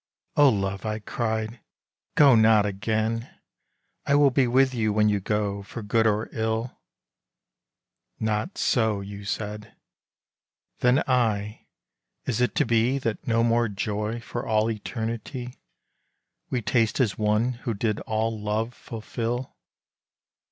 "O love," I cried, "go not again. I will 59 6o THE VISION Be with you when you go, for good or ill/ " Not so," you said ; then I, " Is it to be That no more joy for all eternity We taste as one, who did all love fulfil?"